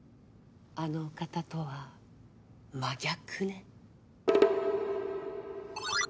あのお方とは真逆ね。